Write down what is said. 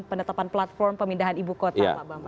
penetapan platform pemindahan ibu kota